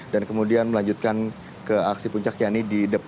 dan kemudian melanjutkan ke aksi puncak yani